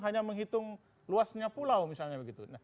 hanya menghitung luasnya pulau misalnya begitu